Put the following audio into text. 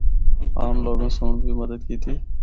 عام لوگاں سنڑ بھی مدد کیتی۔